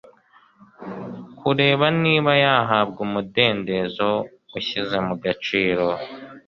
kureba niba yahabwa umudendezo ushyize mu gaciro